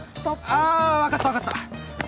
あ分かった分かった。